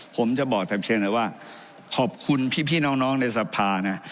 ผมจะบอกแต่เพียงแต่ว่าขอบคุณพี่น้องในสภานะ